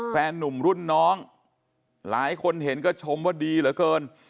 แฟนนุ่มรุ่นน้องหลายคนเห็นก็ชมว่าดีเหลือเกิน